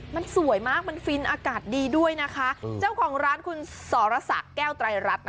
มันสวยมากมันฟินอากาศดีด้วยนะคะเจ้าของร้านคุณสรสักแก้วไตรรัฐ